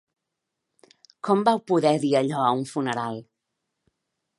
Com vau poder dir allò a un funeral?